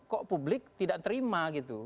kok publik tidak terima gitu